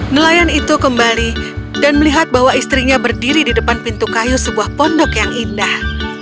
nelayan itu kembali dan melihat bahwa istrinya berdiri di depan pintu kayu sebuah pondok yang indah